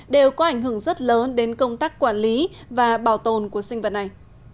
đều có ảnh hưởng rất lớn đến công tác quản lý và bảo tồn của sinh vật này